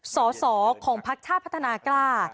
สอสอของพัฒนาภัฒนากล้า